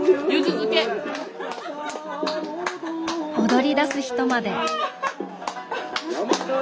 踊りだす人まで。